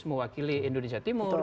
mewakili indonesia timur